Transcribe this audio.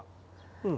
うん。